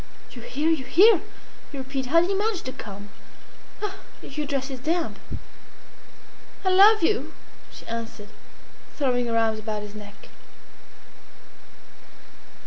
"You here? You here?" he repeated. "How did you manage to come? Ah! your dress is damp." "I love you," she answered, throwing her arms about his neck.